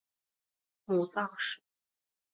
母臧氏。